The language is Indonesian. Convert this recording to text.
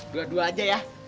dua dua aja ya